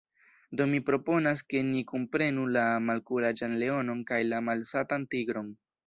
Do mi proponas ke ni kunprenu la Malkuraĝan Leonon kaj la Malsatan Tigron.